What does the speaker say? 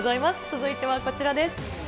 続いてはこちらです。